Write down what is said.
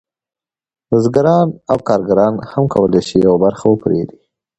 بزګران او کارګران هم کولی شي یوه برخه وپېري